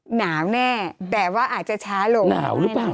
หนาวแน่แต่ว่าอาจจะช้าลง